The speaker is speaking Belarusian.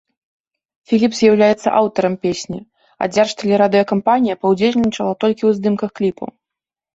Філіп з'яўляецца аўтарам песні, а дзяржтэлерадыёкампанія паўдзельнічала толькі ў здымках кліпу.